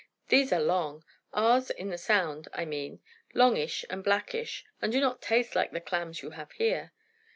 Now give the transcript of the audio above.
These are long; ours in the Sound, I mean; longish and blackish; and do not taste like the clams you have here."